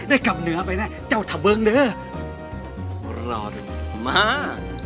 ได้กลับเหนือไปน่ะเจ้าเถอะเบิ้งเงอรอดมา